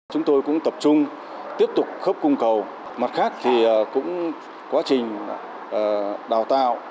chúng tôi cũng tập trung tiếp tục khớp cung cầu mặt khác thì cũng quá trình đào tạo